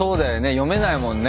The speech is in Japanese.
読めないもんね。